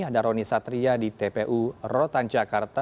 ada roni satria di tpu rorotan jakarta